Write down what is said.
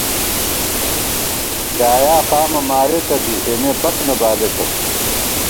بۡلیایا ، قامہ مارېتہ بی ، اېمے بک نہ بالېتہ